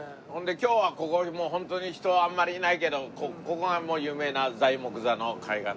今日はここにホントに人あんまりいないけどここが有名な材木座の海岸です。